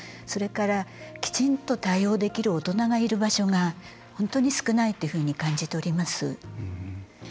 それから、きちんと対応できる大人がいる場所が本当に少ないというふうに感じております。